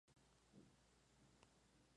Actualmente está totalmente recuperada.